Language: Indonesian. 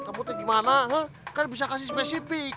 kamu tuh gimana kan bisa kasih spesifik